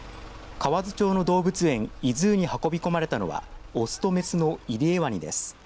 河津町の動物園イズーに運び込まれたのは雄と雌のイリエワニです。